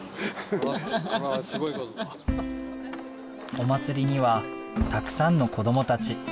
これはお祭りにはたくさんの子供たち。